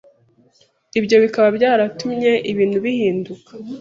ibyo bikaba byaratumye ibintu bihinduka